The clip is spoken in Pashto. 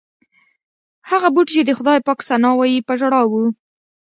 هغه بوټي چې د خدای پاک ثنا وایي په ژړا و.